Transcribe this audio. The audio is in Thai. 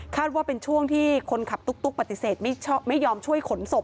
ว่าเป็นช่วงที่คนขับตุ๊กปฏิเสธไม่ยอมช่วยขนศพ